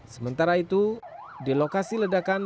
sementara itu di lokasi ledakan